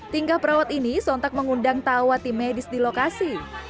tingkah perawat ini sontak mengundang tawa tim medis di lokasi